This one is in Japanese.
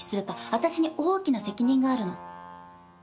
私に大きな責任があるの。